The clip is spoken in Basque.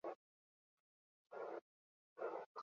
Bozkatu zure gustukoenaren alde.